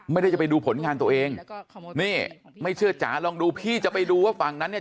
ไม่ได้จะไปดูผลงานตัวเองนี่ไม่เชื่อจ๋าลองดูพี่จะไปดูว่าฝั่งนั้นเนี่ย